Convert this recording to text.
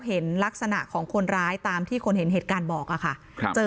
เห็นลักษณะของคนร้ายตามที่คนเห็นเหตุการณ์บอกอะค่ะครับเจอ